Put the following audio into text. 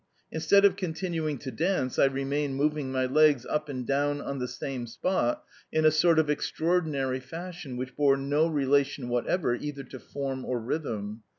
Instead of continuing to dance, I remained moving my legs up and down on the same spot, in a sort of extraordinary fashion which bore no relation whatever either to form or rhythm.